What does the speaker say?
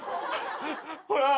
ほら。